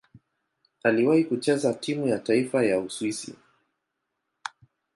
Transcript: Aliwahi kucheza timu ya taifa ya Uswisi.